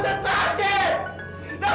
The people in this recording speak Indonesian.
bapak pusri pak